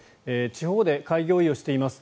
地方で開業医をしています。